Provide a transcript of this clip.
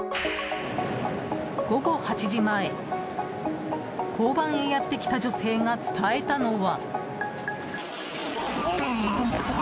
午後８時前、交番へやってきた女性が伝えたのは。